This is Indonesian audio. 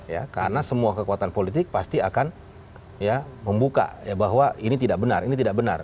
ya karena semua kekuatan politik pasti akan ya membuka ya bahwa ini tidak benar ini tidak benar